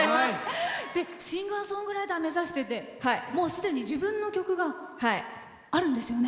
シンガーソングライター目指しててもうすでに自分の曲があるんですよね。